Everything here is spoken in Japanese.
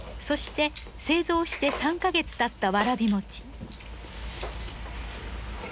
そして製造して３カ月経ったわらび餅。